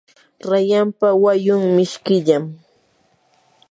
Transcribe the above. rayanpa wayun mishkillam.